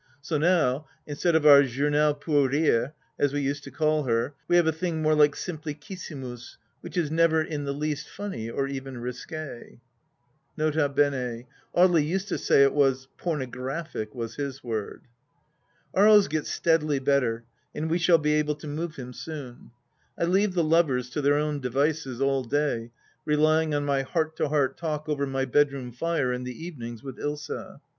So now, instead of our Journal pour Rire, as we used to call her, we have a thing more like Simplicia simus, which is never in the least funny or even risqui. ,.. N.B, — ^Audely used to say it was — pornographic, was his word. Aries gets steadily better and we shall be able to move him soon. I leave the lovers to their own devices all day, relying on my heart to heart talk over my bedroom fire in the evenings with Ilsa.